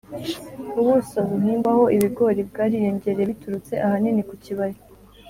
Ubuso buhingwaho ibigori bwariyongereye biturutse ahanini ku kibaya